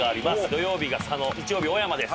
土曜日が佐野日曜日が小山です。